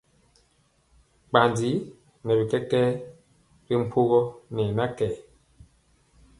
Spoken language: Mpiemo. Bandi nɛ bi kɛkɛɛ ri mpogɔ ne na kɛɛr.